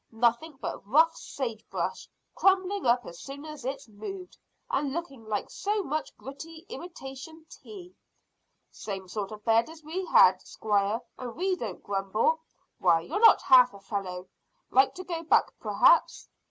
Nothing but rough sage brush, crumbling up as soon as it's moved, and looking like so much gritty imitation tea." "Same sort of bed as we had, squire, and we don't grumble. Why, you're not half a fellow. Like to go back perhaps?"